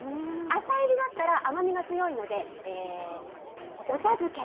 浅いりだったら、甘みが強いので、お茶漬け。